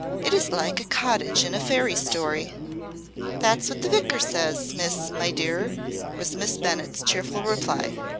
It is like a cottage in a fairy story." "That's what the vicar says, Miss, my dear," was Mrs. Bennett's cheerful reply.